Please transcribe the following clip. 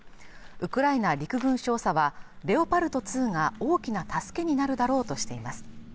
ウクライナ陸軍少佐はレオパルト２が大きな助けになるだろうとしています